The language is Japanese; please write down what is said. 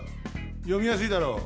よみやすいだろう？